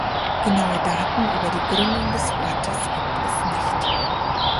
Genaue Daten über die Gründung des Ortes gibt es nicht.